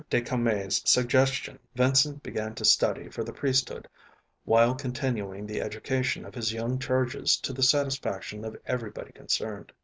de Commet's suggestion, Vincent began to study for the priesthood, while continuing the education of his young charges to the satisfaction of everybody concerned.